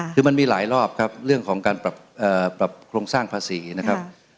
คือมันมีหลายรอบครับเรื่องของการปรับโครงสร้างภาษีนะครับ